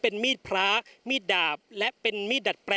พร้อมด้วยผลตำรวจเอกนรัฐสวิตนันอธิบดีกรมราชทัน